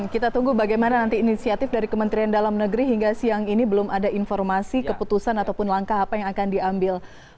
kita tunggu bagaimana nanti inisiatif dari kementerian dalam negeri hingga siang ini belum ada informasi keputusan ataupun langkah apa yang akan diambil